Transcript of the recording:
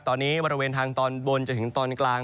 ตอนนี้บริเวณทางตอนบนจนถึงตอนกลาง